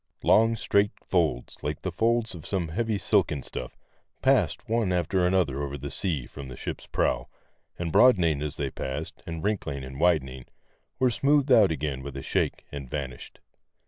Long, straight folds, like the folds in some heavy silken stuff, passed one after another over the sea from the ship's prow, and broadening as they passed, and wrinkling and widening, were smoothed out again with a shake, and vanished.